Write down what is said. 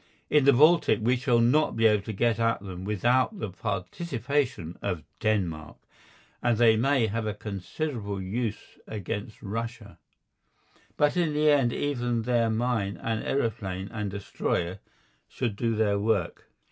In the Baltic we shall not be able to get at them without the participation of Denmark, and they may have a considerable use against Russia. But in the end even there mine and aeroplane and destroyer should do their work.